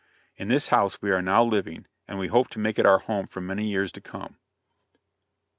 In this house we are now living, and we hope to make it our home for many years to come.